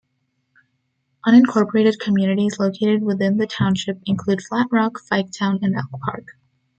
Unincorporated communities located within the township include Flat Rock, Fiketown, and Elk Park.